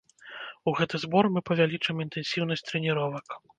У гэты збор мы павялічым інтэнсіўнасць трэніровак.